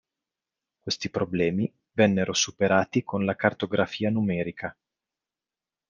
Questi problemi vennero superati con la cartografia numerica.